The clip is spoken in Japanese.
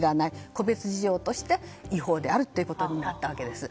個別事情として違法であるということになったわけです。